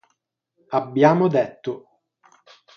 Abbiamo detto.